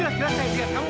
jelas jelas saya ingat kamu